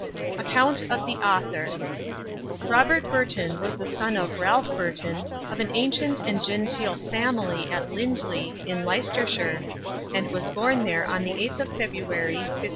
ACCOUNT OF THE AUTHOR. Robert Burton was the son of Ralph Burton, of an ancient and genteel family at Lindley, in Leicestershire, and was born there on the 8th of February 1576.